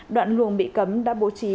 đoạn luồng bị cấm đã bố trí